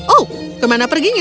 oh kemana perginya